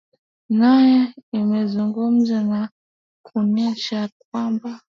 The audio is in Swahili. nayo imezungumza na kuonyesha kwamba